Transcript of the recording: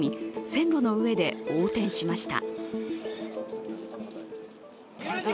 線路の上で横転しました。